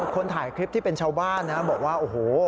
คนถ่ายคลิปที่เป็นชาวบ้านนะบอกว่าโอ้โห